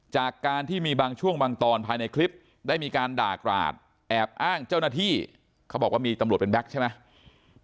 จากการที่มีบางช่วงบางตอนภายในคลิปได้มีการด่ากราดแอบอ้างเจ้าหน้าที่เขาบอกว่ามีตำรวจเป็นแก๊กใช่ไหม